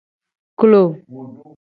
Klo.